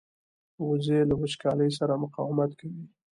وزې له وچکالۍ سره مقاومت کوي